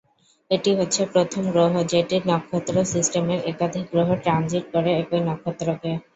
এটি হচ্ছে প্রথম গ্রহ যেটির নক্ষত্র সিস্টেমের একাধিক গ্রহ ট্রানজিট করে একই নক্ষত্রকে।